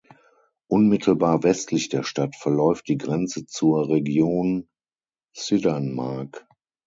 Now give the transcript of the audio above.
Unmittelbar westlich der Stadt verläuft die Grenze zur Region Syddanmark.